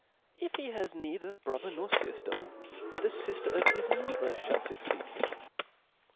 If he has neither brother norQ^y/^^'^ •• fifter, the fifter of his mother (hall fuccced him.